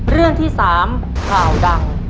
เรื่องที่๓ข่าวดัง